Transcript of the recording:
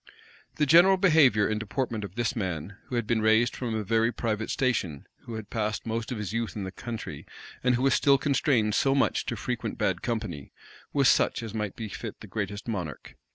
The general behavior and deportment of this man, who had been raised from a very private station, who had passed most of his youth in the country, and who was still constrained so much to frequent bad company, was such as might befit the greatest monarch.